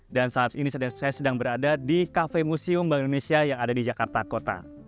dan saat ini saya sedang berada di cafe museum bank indonesia yang ada di jakarta kota